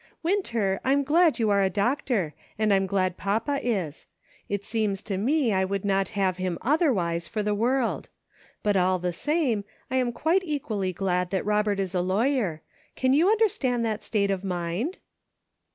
Winter, I'm glad you are a docter, and I'm glad papa is. It seems to me I would not have him otherwise for the world; but all the same, I am quite equally glad that Robert is a lawyer. Can you understand that state of mind